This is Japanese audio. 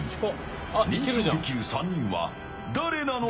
認証できる３人は誰なのか？